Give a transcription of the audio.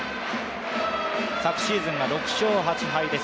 昨シーズンが６勝８敗です。